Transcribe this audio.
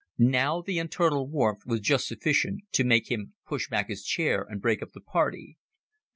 Now the internal warmth was just sufficient to make him push back his chair and break up the party.